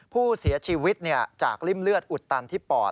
ผู้เสียชีวิตจากริ่มเลือดอุดตันที่ปอด